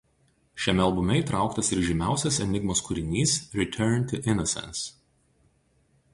Šiame albume įtrauktas ir žymiausias Enigmos kūrinys "Return to Innocence".